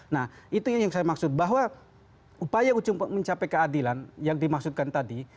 nah itu yang saya maksud bahwa upaya ujung mencapai keadilan yang dimaksudkan tadi